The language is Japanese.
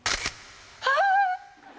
はあ！